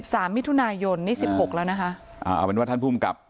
สามมิถุนายนนี่สิบหกแล้วนะคะอ่าเอาเป็นว่าท่านภูมิกับ